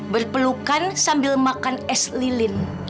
berpelukan sambil makan es lilin